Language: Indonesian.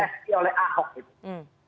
psi oleh ahok itu